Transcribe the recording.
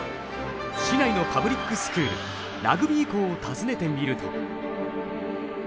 市内のパブリックスクールラグビー校を訪ねてみると。